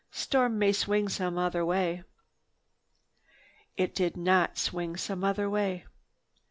Storm may swing some other way." It did not swing some other way.